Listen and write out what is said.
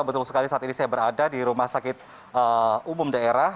betul sekali saat ini saya berada di rumah sakit umum daerah